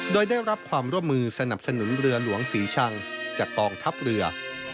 โดยได้รับความร่วมมือสนับสนุนเรือหลวงศรีชังจากกองทัพเรือ